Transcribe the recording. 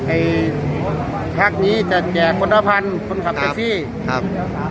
ไอ้แท็กนี้จะแจกคนละพันคนขับแท็กซี่ครับ